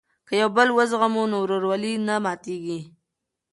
که یو بل وزغمو نو ورورولي نه ماتیږي.